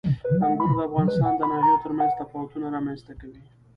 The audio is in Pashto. انګور د افغانستان د ناحیو ترمنځ تفاوتونه رامنځته کوي.